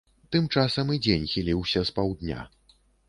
Тым часам і дзень хіліўся з паўдня.